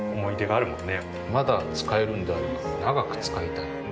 まだ使えるんであれば長く使いたい。